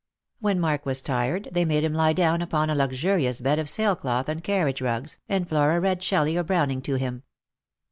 When Mark was tired, they made him lie down upon a luxurious bed of sail cloth and carriage rugs, and Flora read Shelley or Browning to him.